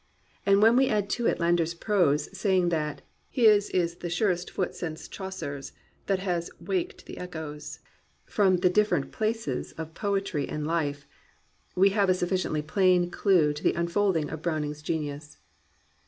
And when we add to it Landor's prose saying that "his is the surest foot since Chaucer's, that has waked the echoes from the difficult places of poetry and of life " we have a sufficiently plain clew to the unfolding of Browning's genius.